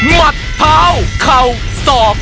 มัดเท้าเข่าสอก